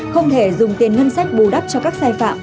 không thể dùng tiền ngân sách bù đắp cho các sai phạm